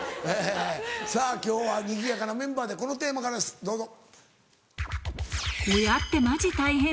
さぁ今日はにぎやかなメンバーでこのテーマからですどうぞ。